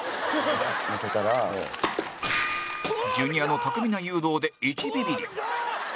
ジュニアの巧みな誘導で１ビビリ